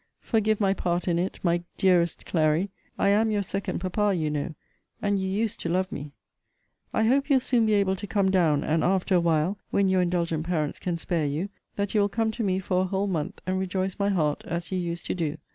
Forgive my part in it, my dearest Clary. I am your second papa, you know. And you used to love me. I hope you'll soon be able to come down, and, after a while, when your indulgent parents can spare you, that you will come to me for a whole month, and rejoice my heart, as you used to do.